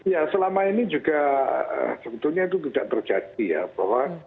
ya selama ini juga sebetulnya itu tidak terjadi ya bahwa